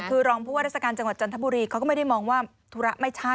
คือรองผู้ว่าราชการจังหวัดจันทบุรีเขาก็ไม่ได้มองว่าธุระไม่ใช่